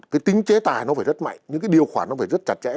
cái tính chế tài nó phải rất mạnh những cái điều khoản nó phải rất chặt chẽ